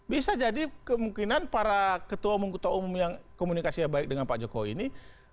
bisa jadi kemungkinan para ketua umum ketua umum yang komunikasinya baik dengan pak jokowi ini